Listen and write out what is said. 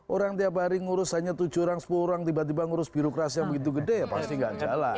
orang tiap hari ngurus hanya tujuh orang sepuluh orang tiba tiba ngurus birokrasi yang begitu gede ya pasti nggak jalan